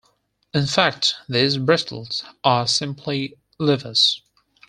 In fact, these bristles are simply levers.